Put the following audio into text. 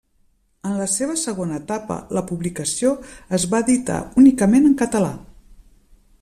En la seva segona etapa, la publicació es va editar únicament en català.